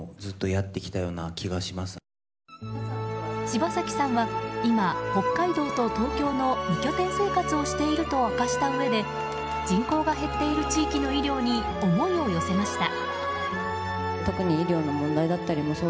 柴咲さんは今、北海道と東京の二拠点生活をしていると明かしたうえで人口が減っている地域の医療に思いを寄せました。